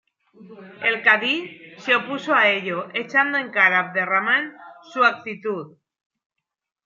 El cadí se opuso a ello, echando en cara a Abderramán su actitud.